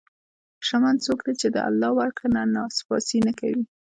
شتمن څوک دی چې د الله ورکړه نه ناسپاسي نه کوي.